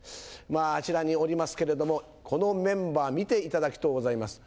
まあ、あちらにおりますけれども、このメンバー見ていただきとうございます。